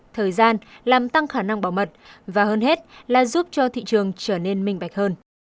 thời gian làm tăng khả năng bảo mật và hơn hết là giúp cho thị trường trở nên minh bạch hơn